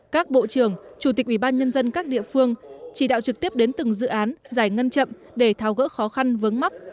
các bộ trưởng chủ tịch ủy ban nhân dân các địa phương chỉ đạo trực tiếp đến từng dự án giải ngân chậm để tháo gỡ khó khăn vướng mắt